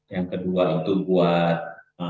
yang kedua itu buat